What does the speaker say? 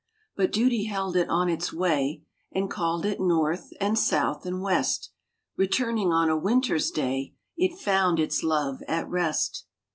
But duty held it on its way, And called it north, and south, and west Returning on a Winter s day It found its love at rest.